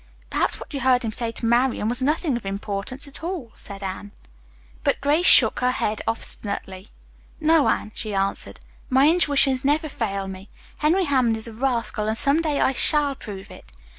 "Perhaps what you heard him say to Marian was nothing of importance after all," said Anne. But Grace shook her head obstinately. "No, Anne," she answered, "my intuitions never fail me. Henry Hammond is a rascal, and some day I shall prove it.